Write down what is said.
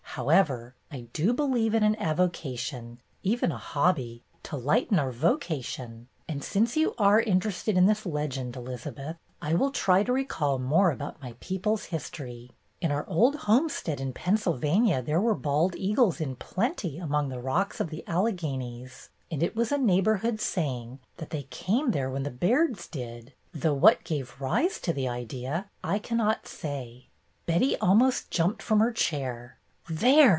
How ever, I do believe in an avocation, even a hobby, to lighten our vocation, and since you are interested in this legend, Elizabeth, I will try to recall more about my people's history. In our old homestead in Pennsylvania there were bald eagles in plenty among the rocks of the Alleghanies, and it was a neighborhood saying that they came there when the Bairds did, though what gave rise to the idea I cannot say." MANY A TRUE WbRD 21 Betty almost jumped from her chair. "There!